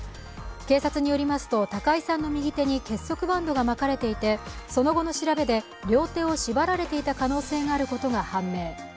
警察によりますと、高井さんの右手に結束バンドが巻かれていて、その後の調べで、両手を縛られていた可能性があることが判明。